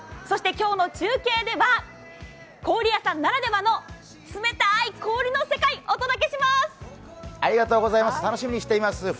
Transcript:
そして今日の中継では、氷屋さんならではの冷たい氷の世界、お届けします。